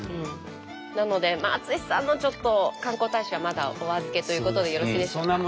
なので淳さんのちょっと観光大使はまだお預けということでよろしいでしょうか？